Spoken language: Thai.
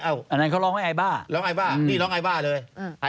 อันนั้นเขาร้องไว้ไอบ้าร้องไอบ้านี่ร้องไอ้บ้าเลย